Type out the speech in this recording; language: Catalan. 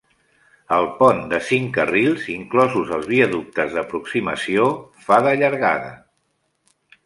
El pont de cinc carrils, inclosos els viaductes d'aproximació, fa de llargada.